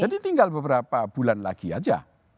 jadi tinggal beberapa bulan lagi aja